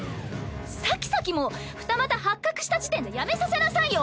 サキサキも二股発覚した時点でやめさせなさいよ。